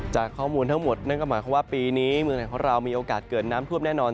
จากข้อมูลทั้งหมดนั่นก็หมายความว่าปีนี้เมืองไหนของเรามีโอกาสเกิดน้ำท่วมแน่นอน